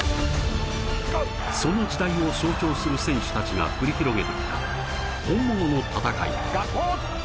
その時代を象徴する選手たちが繰り広げてきた本物の戦い。